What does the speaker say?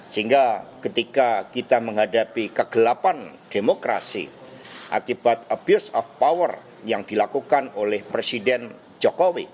sehingga ketika kita menghadapi kegelapan demokrasi akibat abuse of power yang dilakukan oleh presiden jokowi